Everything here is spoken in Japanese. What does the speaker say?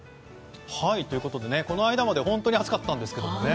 この間まで本当に暑かったんですけどね。